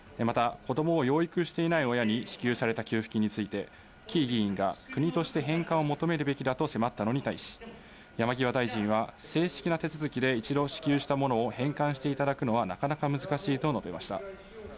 また、子どもを養育していない親に支給された給付金について、城井議員が国として返還を求めるべきだと迫ったのに対し、山際大臣は、正式な手続きで一度支給したものを返還していただくのはなかなか難しいと述べました。